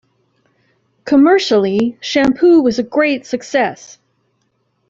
Commercially, "Shampoo" was a great success.